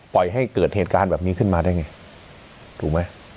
ปล่อยให้เกิดเหตุการณ์แบบนี้ขึ้นมาได้ไงถูกไหม